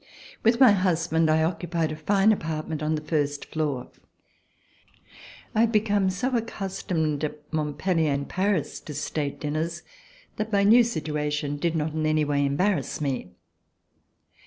With my husband I occupied a fine apartment on the first floor. I had become so accustomed at Montj)ellier and Paris to state dinners that my new situation did not in any way embarrass me.